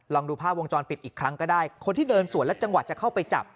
ดูภาพวงจรปิดอีกครั้งก็ได้คนที่เดินสวนและจังหวะจะเข้าไปจับ